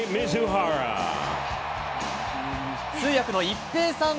通訳の一平さん